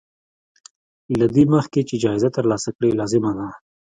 له دې مخکې چې جايزه ترلاسه کړې لازمه ده.